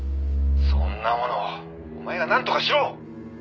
「そんなものお前がなんとかしろ！」